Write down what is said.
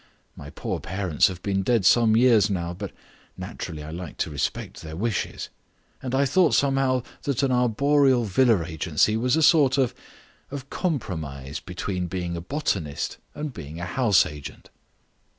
My poor parents have been dead some years now, but naturally I like to respect their wishes. And I thought somehow that an arboreal villa agency was a sort of of compromise between being a botanist and being a house agent."